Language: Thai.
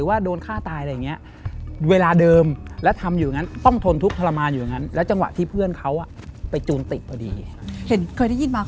การฆ่าตัวตายหรือว่าโดนฆ่าตายอะไรอย่างนี้